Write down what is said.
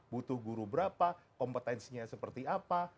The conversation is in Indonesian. butuh guru berapa kompetensinya seperti apa